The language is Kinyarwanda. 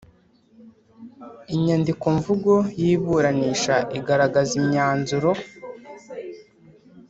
Inyandikomvugo yiburanisha igaragaza imyanzuro